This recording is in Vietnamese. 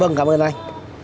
vâng cảm ơn anh